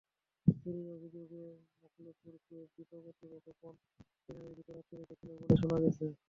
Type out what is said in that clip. চুরির অভিযোগে মোখলেসুরকে ডিপো কর্তৃপক্ষ কনটেইনারের ভেতর আটকে রেখেছিল বলে শোনা গেছে।